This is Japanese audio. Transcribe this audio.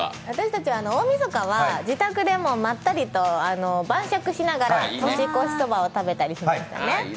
私たちは大みそかは自宅でまったりと晩酌しながら年越しそばを食べたりしましたね。